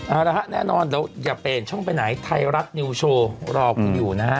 เอาละฮะแน่นอนเดี๋ยวอย่าเปลี่ยนช่องไปไหนไทยรัฐนิวโชว์รอคุณอยู่นะฮะ